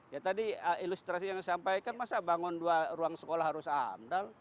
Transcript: ya tadi ilustrasi yang disampaikan masa bangun dua ruang sekolah harus amdal